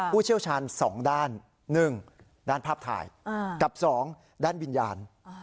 ผู้เชี่ยวชาญ๒ด้าน๑ด้านภาพถ่ายกับ๒ด้านวิญญาณ